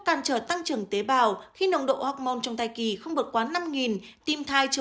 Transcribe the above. can trở tăng trưởng tế bào khi nồng độ học môn trong thai kỳ không vượt quá năm tim thai chưa